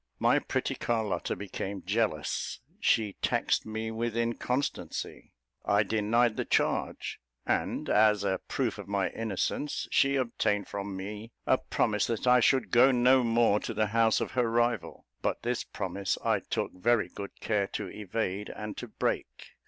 My pretty Carlotta became jealous; she taxed me with inconstancy. I denied the charge; and as a proof of my innocence, she obtained from me a promise that I should go no more to the house of her rival; but this promise I took very good care to evade, and to break.